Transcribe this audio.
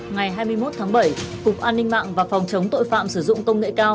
ngày hai mươi một tháng bảy cục an ninh mạng và phòng chống tội phạm sử dụng công nghệ cao